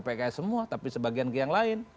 pks semua tapi sebagian ke yang lain